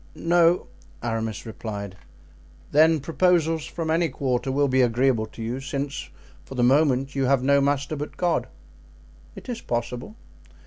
"No," Aramis replied. "Then proposals from any quarter will be agreeable to you, since for the moment you have no master but God?" "It is possible."